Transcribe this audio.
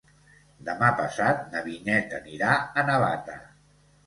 Demà passat na Vinyet anirà a Navata.